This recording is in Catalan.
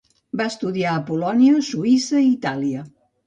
Va estudiar a Polònia, Suïssa i Itàlia.